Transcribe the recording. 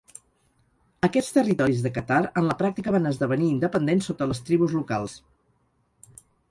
Aquests territoris de Qatar en la pràctica van esdevenir independents sota les tribus locals.